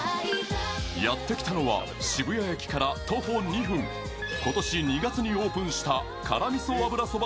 やってきたのは渋谷駅から徒歩２分、今年の２月にオープンした辛味噌油そば